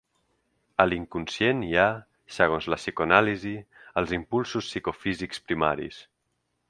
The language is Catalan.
A l'inconscient hi ha, segons la psicoanàlisi, els impulsos psicofísics primaris.